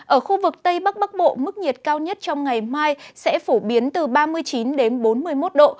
ở khu vực tây bắc bắc bộ mức nhiệt cao nhất trong ngày mai sẽ phổ biến từ ba mươi chín đến bốn mươi một độ